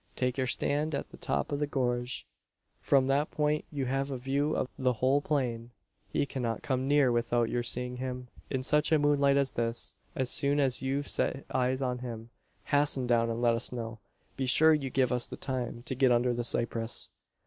Take your stand at the top of the gorge. From that point you have a view of the whole plain. He cannot come near without your seeing him, in such a moonlight as this. As soon as you've set eyes on him, hasten down and let us know. Be sure you give us time to get under the cypress."